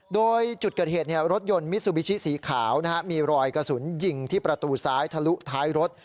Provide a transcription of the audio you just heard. โดยจุดเกิดเหตุรถยนต์มิซูบิชิสีขาวมีรอยกระสุนยิงที่ประตูซ้ายทะลุท้ายรถ